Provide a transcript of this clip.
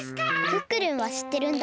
クックルンはしってるんだ。